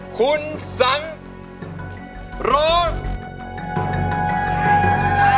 คุณสังร้อง